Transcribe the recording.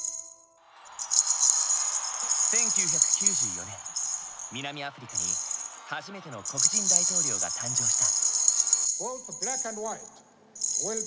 １９９４年南アフリカに初めての黒人大統領が誕生した。